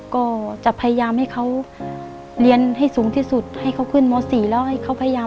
ก็จะพยายามให้เขาเรียนให้สูงที่สุดให้เขาขึ้นม๔แล้วให้เขาพยายาม